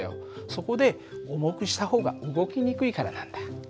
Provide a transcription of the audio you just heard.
そこで重くした方が動きにくいからなんだ。